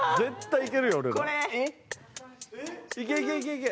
いけ。